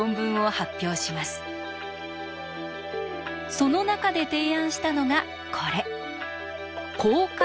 その中で提案したのがこれ。